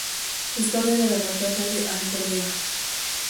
Historia de la batalla de Alcolea.